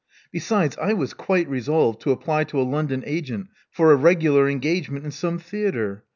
Besides, I was quite resolved to apply to a London agent for a regular engagement in some theatre.